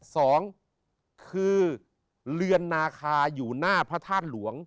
สองคือเรือนนาคาอยู่หน้าพระธาตุหลวง